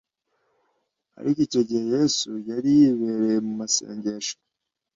ariko icyo gihe yesu yari yibereye mu masengesho